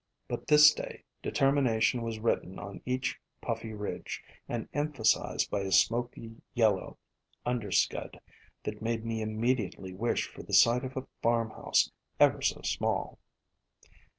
But this day determination was written on each puffy ridge, and emphasized by a smoky yellow underscud that made me immediately wish for the sight of a farmhouse, ever so small.